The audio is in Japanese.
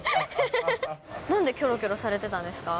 なんでキョロキョロされてたんですか？